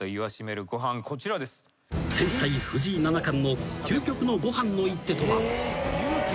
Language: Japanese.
［天才藤井七冠の究極のごはんの一手とは］